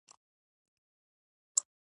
د سپوږمۍ رڼا هم د دوی په زړونو کې ځلېده.